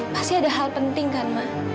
pasti ada hal penting kan mah